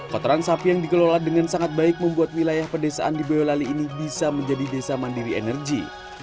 kotoran sapi yang dikelola dengan sangat baik membuat wilayah pedesaan di boyolali ini bisa menjadi desa mandiri energi